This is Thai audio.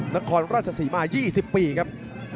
นครราชศรีมา๒๐ปีครับ